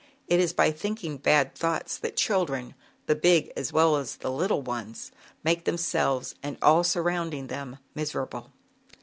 It is by thinking bad thoughts that children the big as well as the little ones make themselves and all surrounding them miserable.